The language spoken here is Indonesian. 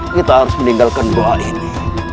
kita harus meninggalkan doa ini